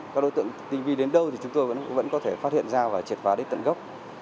các đối tượng tinh vi đến đâu thì chúng tôi vẫn có thể phát hiện ra và triệt phá đến tận gốc